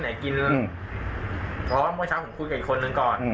ผมไปไหนกินเลยอืมเพราะว่าเมื่อเช้าผมคุยกับอีกคนนึงก่อนอืม